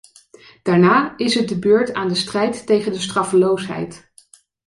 Daarna is het de beurt aan de strijd tegen de straffeloosheid.